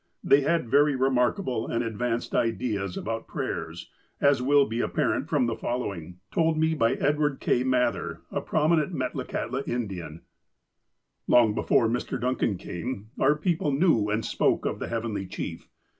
They had very remarkable and advanced ideas about prayers, as will be apparent from the following, told me by Edward K. Mather, a prominent Metlakahtla Indian : "Long before Mr. Duncan came, our people knew and spoke of the Heavenly Chief.